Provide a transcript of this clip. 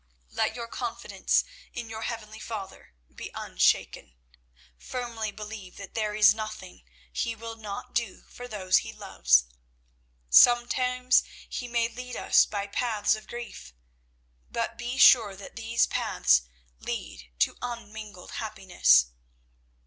Let your confidence in your heavenly Father be unshaken. Firmly believe that there is nothing He will not do for those He loves. Sometimes He may lead us by paths of grief, but be sure that these paths lead to unmingled happiness.